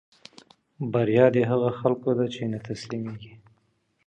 While in high school he was employed by the Virgin Islands Daily News.